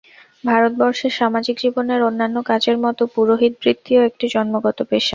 ভারতবর্ষে সমাজিক জীবনের অন্যান্য কাজের মত পুরোহিত-বৃত্তিও একটি জন্মগত পেশা।